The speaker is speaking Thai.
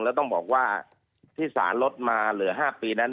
แล้วต้องบอกว่าที่สารลดมาเหลือ๕ปีนั้น